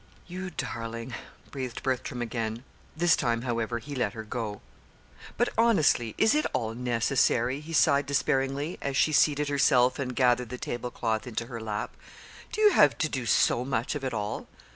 "You darling!" breathed Bertram again; this time, however, he let her go. "But, honestly, is it all necessary?" he sighed despairingly, as she seated herself and gathered the table cloth into her lap. "Do you have to do so much of it all?"